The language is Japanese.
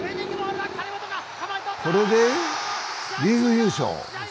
これでリーグ優勝。